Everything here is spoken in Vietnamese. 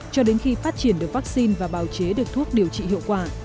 cho đến khi phát triển được vaccine và bào chế được thuốc điều trị hiệu quả